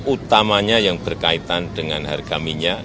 utamanya yang berkaitan dengan harga minyak